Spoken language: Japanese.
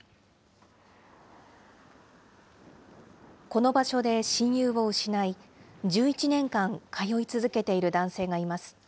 この場所で親友を失い、１１年間通い続けている男性がいます。